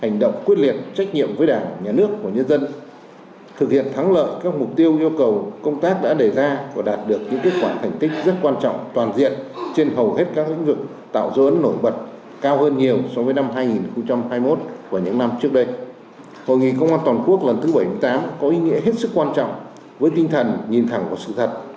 hội nghị công an toàn quốc lần thứ bảy mươi tám có ý nghĩa hết sức quan trọng với tinh thần nhìn thẳng vào sự thật